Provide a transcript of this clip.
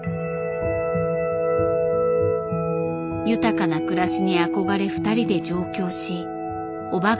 豊かな暮らしに憧れ二人で上京し叔母が